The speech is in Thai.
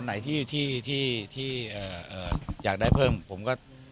ไหนที่อยากได้เพิ่มผมก็